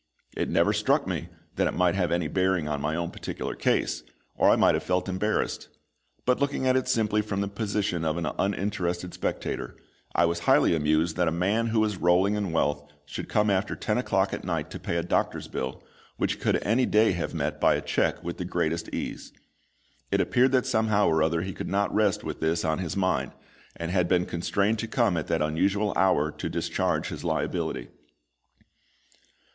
It never struck me that it might have any bearing on my own particular case, or I might have felt embarrassed; but looking at it simply from the position of an uninterested spectator, I also was highly amused that a man who was rolling in wealth should come after ten o'clock at night to pay a doctor's bill, which he could any day have met by a cheque with the greatest ease. It appeared that somehow or other he could not rest with this on his mind, and had been constrained to come at that unusual hour to discharge his liability.